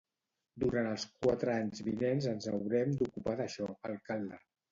Durant els quatre anys vinents ens haurem d'ocupar d'això, alcalde.